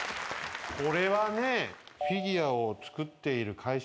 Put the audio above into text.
これはねフィギュアを作っている会社の人は。